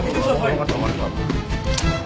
わかったわかった。